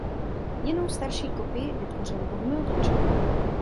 Jinou starší kopii vytvořil Bohumil Vlček.